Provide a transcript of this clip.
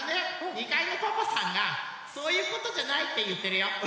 ２かいのパパさんが「そういうことじゃない」っていってるよ。